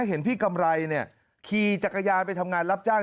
เห็นพี่กำไรขี่จักรยานไปทำงานรับจ้าง